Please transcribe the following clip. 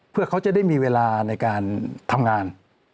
เพื่อเขาจะได้มีเวลาในการทำงาน